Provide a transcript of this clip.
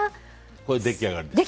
これで出来上がりです。